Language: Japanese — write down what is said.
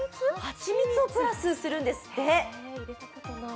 蜂蜜をプラスするんですって。